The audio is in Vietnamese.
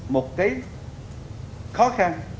một cái khó khăn